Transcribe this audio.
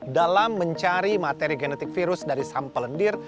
dalam mencari materi genetik virus dari sampel lendir